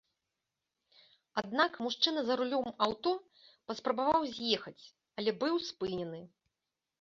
Аднак мужчына за рулём аўто паспрабаваў з'ехаць, але быў спынены.